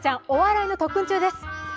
お笑いの特訓中です。